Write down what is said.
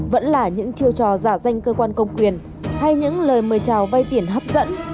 vẫn là những chiêu trò giả danh cơ quan công quyền hay những lời mời trào vay tiền hấp dẫn